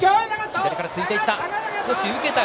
左から突いていった。